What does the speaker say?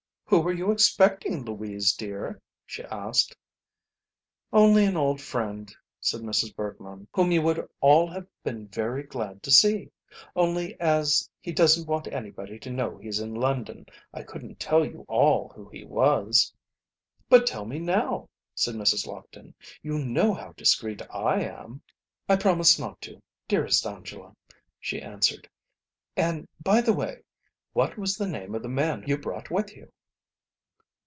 "Who were you expecting, Louise, dear?" she asked. "Only an old friend," said Mrs. Bergmann, "whom you would all have been very glad to see. Only as he doesn't want anybody to know he's in London, I couldn't tell you all who he was." "But tell me now," said Mrs. Lockton; "you know how discreet I am." "I promised not to, dearest Angela," she answered; "and, by the way, what was the name of the man you brought with you?"